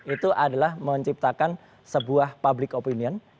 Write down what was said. itu adalah menciptakan sebuah public opinion